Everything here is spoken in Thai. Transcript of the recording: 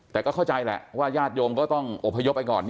แต่ก็เข้าใจแหละว่าญาติโยมก็ต้องอบพยพไปก่อน